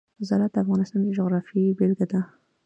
زراعت د افغانستان د جغرافیې بېلګه ده.